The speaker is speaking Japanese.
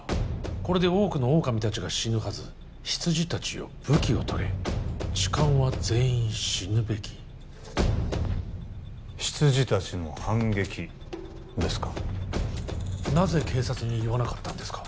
「これで多くの狼たちが死ぬはず」「羊たちよ武器をとれ」「痴漢は全員死ぬべき」羊たちの反撃ですかなぜ警察に言わなかったんですか